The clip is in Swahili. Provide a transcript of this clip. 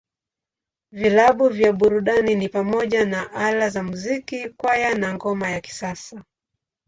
Vilabu vya burudani ni pamoja na Ala za Muziki, Kwaya, na Ngoma ya Kisasa.